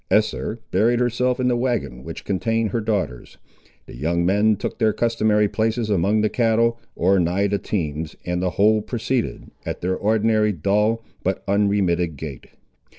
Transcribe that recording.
Esther buried herself in the wagon which contained her daughters; the young men took their customary places among the cattle, or nigh the teams, and the whole proceeded, at their ordinary, dull, but unremitted gait.